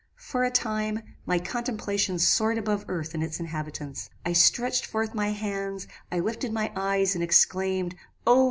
"For a time, my contemplations soared above earth and its inhabitants. I stretched forth my hands; I lifted my eyes, and exclaimed, O!